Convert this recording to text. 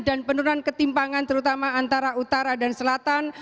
dan penurunan ketimpangan terutama antara utara dan selatan